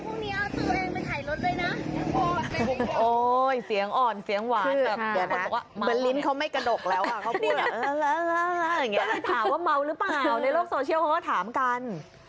ก็ถามว่าเมาหรือเปล่าในโลกโซเชียลตามกัน